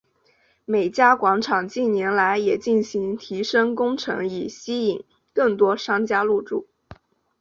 美嘉广场近年来也进行提升工程以吸引更多商家入住。